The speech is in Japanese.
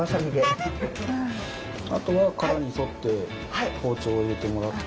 あとは殻に沿って包丁を入れてもらって。